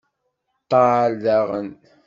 Ṭṭal daɣen!